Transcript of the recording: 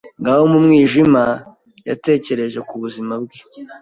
Ngaho mu mwijima, yatekereje ku buzima bwe.